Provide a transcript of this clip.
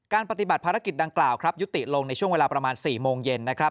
ปฏิบัติภารกิจดังกล่าวครับยุติลงในช่วงเวลาประมาณ๔โมงเย็นนะครับ